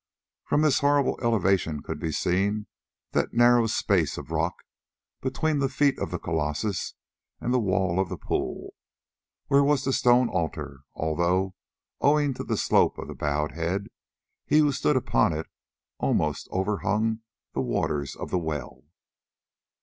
From this horrible elevation could be seen that narrow space of rock between the feet of the colossus and the wall of the pool where was the stone altar, although, owing to the slope of the bowed head, he who stood upon it almost overhung the waters of the well.